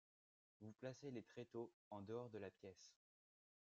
vous placez les tréteaux en dehors de la pièce